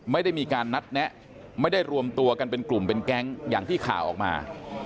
ไม่ได้มีการนัดแนะไม่ได้รวมตัวกันเป็นกลุ่มเป็นแก๊งอย่างที่ข่าวออกมา